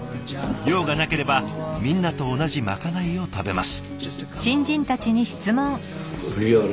用がなければみんなと同じまかないを食べます。